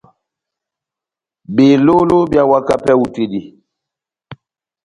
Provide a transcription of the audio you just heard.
Belóló beháwaka pɛhɛ hú tɛ́h dí.